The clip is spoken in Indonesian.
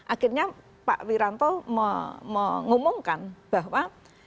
akhirnya pak wiranto mengumumkan bahwa